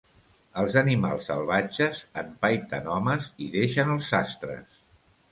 Els animals salvatges empaiten homes i deixen els sastres.